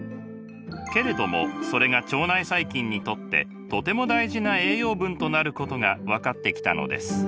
けれどもそれが腸内細菌にとってとても大事な栄養分となることが分かってきたのです。